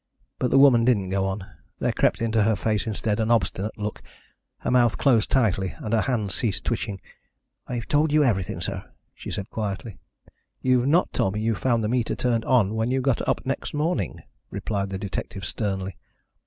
But the woman didn't go on; there crept into her face instead an obstinate look, her mouth closed tightly, and her hands ceased twitching. "I've told you everything, sir," she said quietly. "You've not told me you found the meter turned on when you got up next morning," replied the detective sternly.